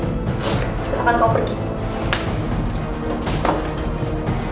oke silahkan kau pergi